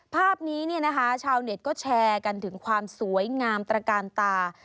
ภาพนี้ชาวเน็ตก็แชร์กันถึงความสวยงามตรการตา